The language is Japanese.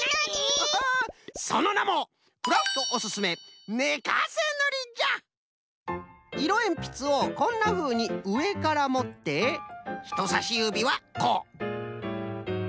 ハハそのなもいろえんぴつをこんなふうにうえからもってひとさしゆびはこう。